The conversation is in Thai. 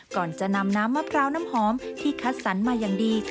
ก่อนจะนำน้ำมะพร้าวน้ำหอมที่คัดสรรมาอย่างดี